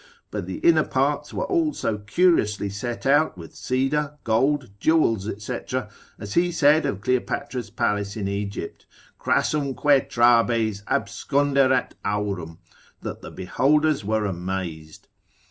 But the inner parts were all so curiously set out with cedar, gold, jewels, &c., as he said of Cleopatra's palace in Egypt,—Crassumque trabes absconderat aurum, that the beholders were amazed.